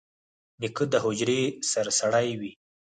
نیکه د حجرې سرسړی وي.